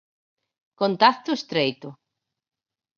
Contacto estreito.